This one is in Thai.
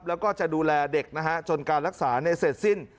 แล้วก็จะดูแลเด็กนะฮะจนการรักษาเสร็จสิ้น